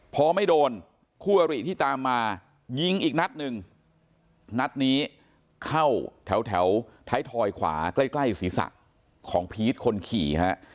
พอไม่โดนคู่อริที่ตามมายิงอีกนัดหนึ่งนัดนี้เข้าแถวท้ายทอยขวาใกล้ใกล้ศีรษะของพีชคนขี่ฮะ